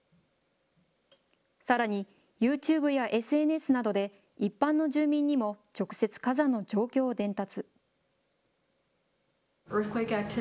さらに、ユーチューブやＳＮＳなどで、一般の住民にも直接火山の状況を伝達。